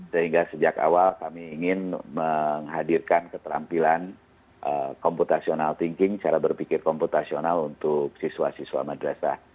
sehingga sejak awal kami ingin menghadirkan keterampilan computational thinking cara berpikir komputasional untuk siswa siswa madrasah